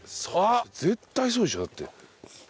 絶対そうでしょだって。